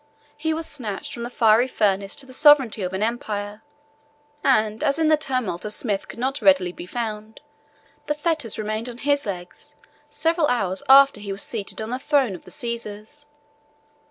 He was snatched from the fiery furnace to the sovereignty of an empire; and as in the tumult a smith could not readily be found, the fetters remained on his legs several hours after he was seated on the throne of the Caesars.